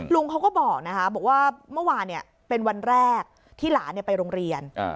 ลุงเขาก็บอกนะคะบอกว่าเมื่อวานเป็นวันแรกที่หลานไปโรงเรียน